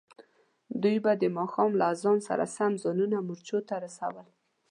دوی به د ماښام له اذان سره سم ځانونه مورچو ته رسول.